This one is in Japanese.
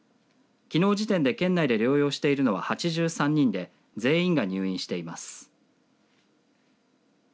きのう時点で県内で療養しているのは８３人で全員が入院しています。